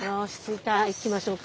行きましょうか。